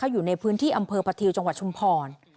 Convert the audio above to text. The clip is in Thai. อยู่ในพื้นที่อำเภอประทิวจังหวัดชุมพร